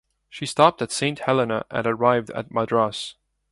She stopped at Saint Helena and then arrived at Madras.